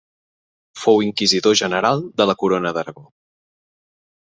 Fou Inquisidor general de la Corona d'Aragó.